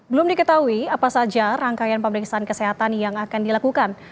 belum diketahui apa saja rangkaian pemeriksaan kesehatan yang akan dilakukan